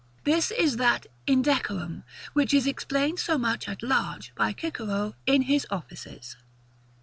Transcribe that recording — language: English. This is that INDECORUM, which is explained so much at large by Cicero in his Offices.